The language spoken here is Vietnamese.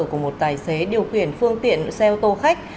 của một tài xế điều khiển phương tiện xe ô tô khách